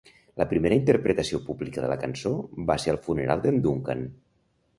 La primera interpretació pública de la cançó va ser al funeral d'en Duncan.